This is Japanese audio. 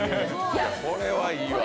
これはいいわ。